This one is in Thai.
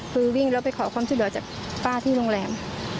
คือวิ่งแล้วไปขอความช่วยเหลือจากป้าที่โรงแรม